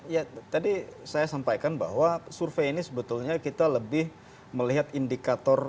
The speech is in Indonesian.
ya tadi saya sampaikan bahwa survei ini sebetulnya kita lebih melihat indikator